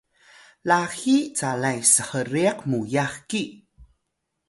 laxiy calay shriq muyax ki